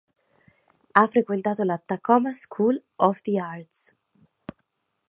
Ha frequentato la Tacoma School of the Arts.